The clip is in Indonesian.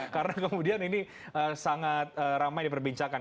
karena kemudian ini sangat ramai diperbincangkan